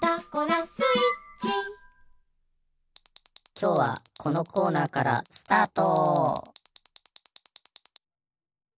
きょうはこのコーナーからスタート！